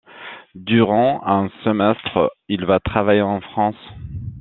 Durant un semestre, il va travailler en France.